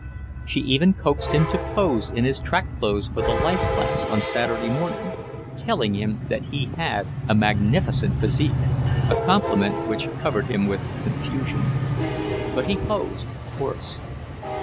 She even coaxed him to pose in his track clothes for the life class on Saturday morning, telling him that he had "a magnificent physique," a compliment which covered him with confusion. But he posed, of course.